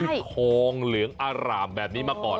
ทองเหลืองอร่ามแบบนี้มาก่อน